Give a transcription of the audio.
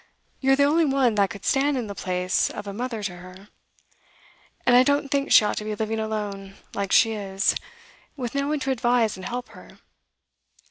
You're the only one that could stand in the place of a mother to her. And I don't think she ought to be living alone, like she is, with no one to advise and help her.